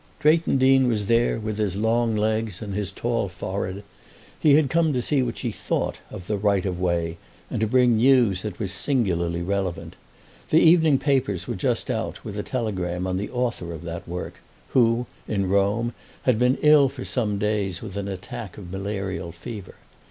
Drayton Deane was there with his long legs and his tall forehead: he had come to see what she thought of "The Right of Way," and to bring news that was singularly relevant. The evening papers were just out with a telegram on the author of that work, who, in Rome, had been ill for some days with an attack of malarial fever.